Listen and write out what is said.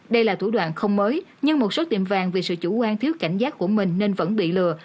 đây là thủ đoạn không mới nhưng một số tiệm vàng vì sự chủ quan thiếu cảnh giác của mình nên vẫn bị lừa